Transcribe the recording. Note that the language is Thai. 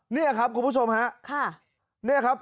นี่ครับคุณผู้ชมฮะเนี่ยครับ